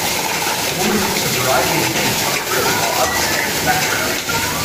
A woman cooks a variety of meets on a grill while others stand in the background.